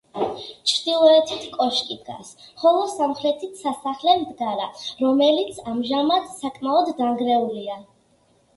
ჩრდილოეთით კოშკი დგას, ხოლო სამხრეთით სასახლე მდგარა, რომელიც ამჟამად საკმაოდ დანგრეულია.